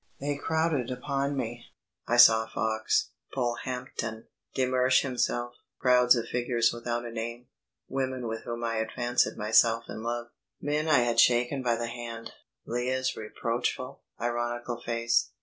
They crowded upon me. I saw Fox, Polehampton, de Mersch himself, crowds of figures without a name, women with whom I had fancied myself in love, men I had shaken by the hand, Lea's reproachful, ironical face.